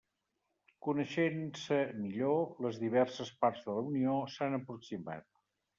Coneixent-se millor, les diverses parts de la Unió s'han aproximat.